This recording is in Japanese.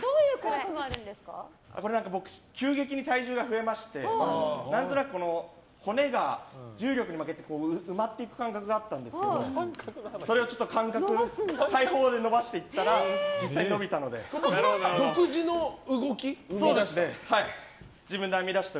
僕、急激に体重が増えまして何となく骨が重力に負けて埋まっていく感覚があったんですけど感覚を伸ばしていったら独自の動きを編み出した。